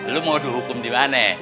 lo mau dihukum dimana